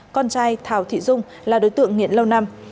con trai thảo thị dung là đối tượng nghiện lâu năm